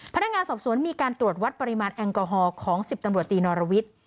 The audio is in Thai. พนักงานสอบสวนมีการตรวจวัดปริมาณแอลกอฮอลของ๑๐ตำรวจตีนอรวิทย์